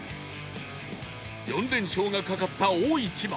４連勝がかかった大一番